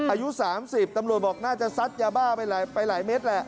อายุ๓๐ตำรวจบอกน่าจะซัดยาบ้าไปหลายเม็ดแหละ